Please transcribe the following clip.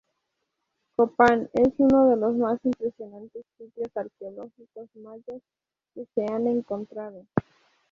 Copán es uno de los más impresionantes sitios arqueológicos mayas que se han encontrado.